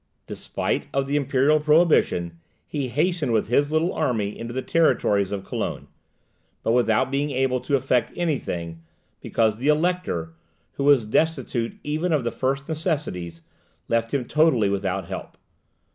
Despite of the imperial prohibition, he hastened with his little army into the territories of Cologne; but without being able to effect any thing, because the Elector, who was destitute even of the first necessaries, left him totally without help.